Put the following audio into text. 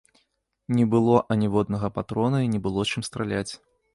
Не было аніводнага патрона і не было чым страляць.